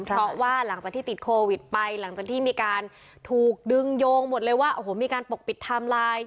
เพราะว่าหลังจากที่ติดโควิดไปหลังจากที่มีการถูกดึงโยงหมดเลยว่าโอ้โหมีการปกปิดไทม์ไลน์